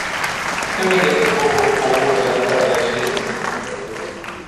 Eu me lembro do vovô Paul olhando através dele.